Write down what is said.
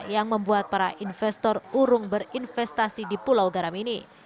yang membuat para investor urung berinvestasi di pulau garam ini